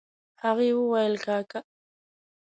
هغې وويل کاکا.